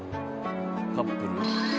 カップル？